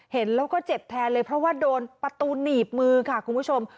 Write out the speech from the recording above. เห็นแล้วก็เจ็บแทนเลยเพราะว่าโดนประตูหนีบมือค่ะคุณผู้ชม